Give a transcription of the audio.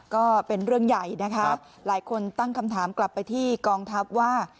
ก็เป็นเรื่องใหญ่นะคะหลายคนตั้งคำถามกลับไปที่กองทัพว่า